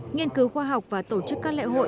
nghiên cứu khoa học và tổ chức các lễ hội